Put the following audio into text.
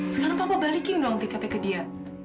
sekarang kamu balikin dong tiketnya ke dia